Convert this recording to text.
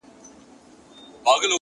په سپينه زنه كي خال ووهي ويده سمه زه _